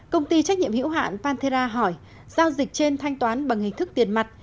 công ty trách nhiệm hữu hạn pantera hỏi giao dịch trên thanh toán bằng hình thức tiền mặt